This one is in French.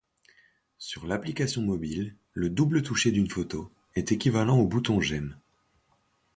Sur l'application mobile, le double toucher d'une photo est équivalent au bouton j'aime.